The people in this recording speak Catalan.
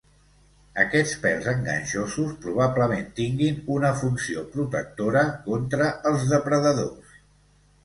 Aquests pèls enganxosos probablement tinguin una funció protectora contra els depredadors.